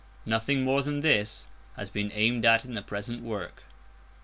Nothing more than this has been aimed at in the present work.